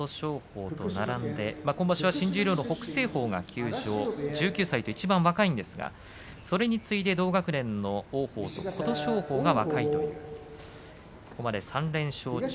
今場所は新十両の北青鵬が休場１９歳でいちばん若いんですがそれに次いで同学年の琴勝峰が若いという。